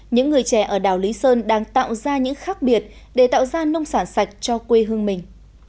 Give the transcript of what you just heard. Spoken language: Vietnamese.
những người trẻ ở đảo lý sơn đang tạo ra những khác biệt để tạo ra nông sản sạch cho quê hương mình